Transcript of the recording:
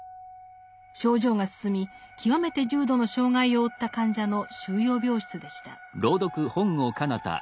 症状が進み極めて重度の障害を負った患者の収容病室でした。